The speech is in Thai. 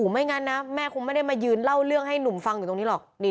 ไม่งั้นนะแม่คงไม่ได้มายืนเล่าเรื่องให้หนุ่มฟังอยู่ตรงนี้หรอก